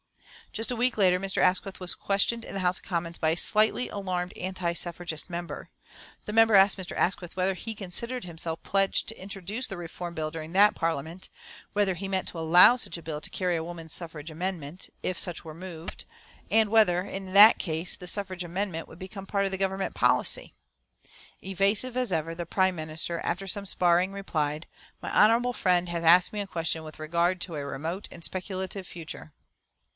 Just a week later Mr. Asquith was questioned in the House of Commons by a slightly alarmed anti suffragist member. The member asked Mr. Asquith whether he considered himself pledged to introduce the reform hill during that Parliament, whether he meant to allow such a bill to carry a woman suffrage amendment, if such were moved, and whether, in that case, the suffrage amendment would become part of the Government policy. Evasive as ever, the Prime Minister, after some sparring, replied, "My honourable friend has asked me a question with regard to a remote and speculative future."